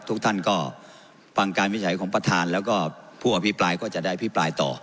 ทุกท่านก็ฟังการวิจัยของประธานแล้วก็ผู้อภิปรายก็จะได้พิปรายต่อ